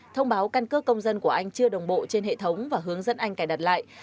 thông báo căn cơ công dân của anh chưa đồng bộ trên hệ thống và hướng dẫn anh cài đặt lại